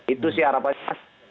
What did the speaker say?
itu sih harapan saya